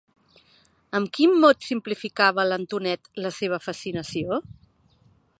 Amb quin mot simplificava, l'Antonet, la seva fascinació?